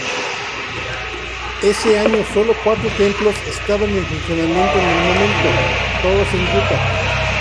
Ese año sólo cuatro templos estaban en funcionamiento en el momento: todos en Utah.